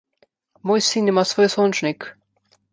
Moj sin ima svoj sončnik.